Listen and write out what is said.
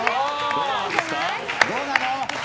どうなの？